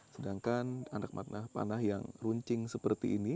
sedangkan anak panah yang runcing seperti ini